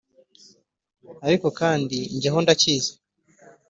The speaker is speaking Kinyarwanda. Ariko kandi jyeho ndacyizi